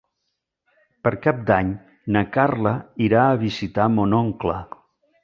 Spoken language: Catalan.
Per Cap d'Any na Carla irà a visitar mon oncle.